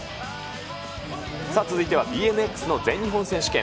さあ、続いてはＢＭＸの全日本選手権。